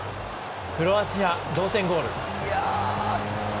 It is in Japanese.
クロアチア、同点ゴール。